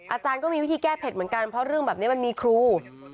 อาจารย์ก็มีวิธีแก้เผ็ดเหมือนกันเพราะเรื่องแบบนี้มันมีครู